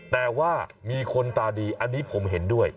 แต่ว่ามีคนตาดีอันนี้ผมเห็นด้วย